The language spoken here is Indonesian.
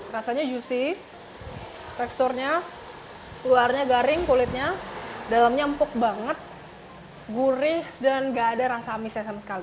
rasanya juicy teksturnya luarnya garing kulitnya dalamnya empuk banget gurih dan gak ada rasa amisnya sama sekali